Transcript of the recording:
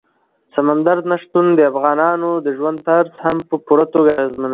سمندر نه شتون د افغانانو د ژوند طرز هم په پوره توګه اغېزمنوي.